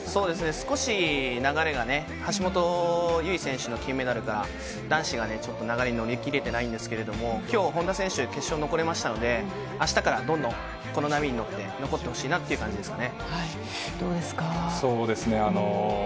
少し流れが大橋悠依選手の金メダルから、男子がちょっと流れに乗りきりてないんですけれども、きょう、ほんだ選手、決勝残れましたので、あしたからどんどん、この波に乗って、残ってほしいなっていう感じですかね。